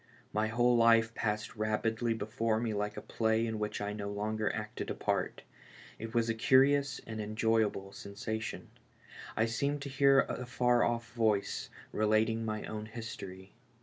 My whole life passed rapidly before me like a play in which I no longer acted a part ; it was a curious and enjoyable sensation — I seemed to hear a far off' voice relating my own history.